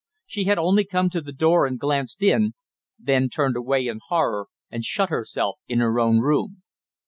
She had only come to the door and glanced in, then turned away in horror and shut herself in her own room.